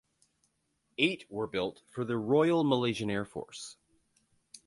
Eight were built for the Royal Malaysian Air Force.